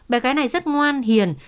bé gái này rất ngoan hiền